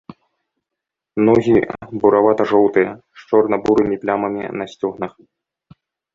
Ногі буравата-жоўтыя, з чорна-бурымі плямамі на сцёгнах.